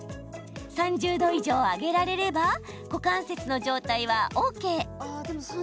３０度以上、上げられれば股関節の状態はＯＫ。